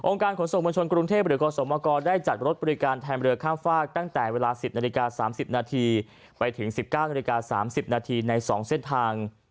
การขนส่งมวลชนกรุงเทพหรือกรสมกรได้จัดรถบริการแทนเรือข้ามฝากตั้งแต่เวลา๑๐นาฬิกา๓๐นาทีไปถึง๑๙นาฬิกา๓๐นาทีใน๒เส้นทาง